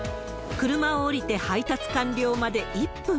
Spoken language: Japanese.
車を降りて配達完了まで１分。